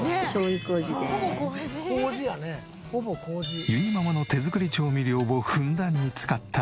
ゆにママの手作り調味料をふんだんに使った。